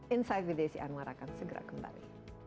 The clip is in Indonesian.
insight with desi anwar akan segera kembali